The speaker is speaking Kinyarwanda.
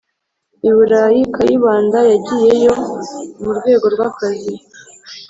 i burayi, kayibanda yagiyeyo mu rwego rw' akazi